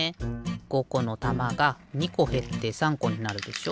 ５このたまが２こへって３こになるでしょ。